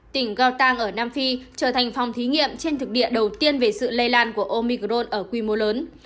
tỉnh gautam ở nam phi trở thành phòng thí nghiệm trên thực địa đầu tiên về sự lây lan của omicron